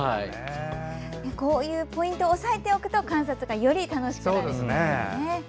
こういうポイントを押さえておくと観察がより楽しくなるんですよね。